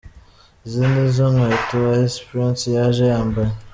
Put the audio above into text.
Izi niz zo nkweto Ice Prince yaje yambaye.